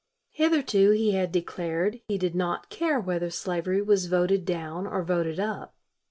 Hitherto he had declared he did not care whether slavery was voted down or voted up.